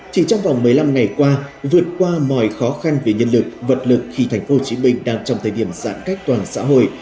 chỉ trong vòng một mươi năm ngày qua vượt qua mọi khó khăn về nhân lực vật lực khi tp hcm đang trong thời điểm giãn cách toàn xã hội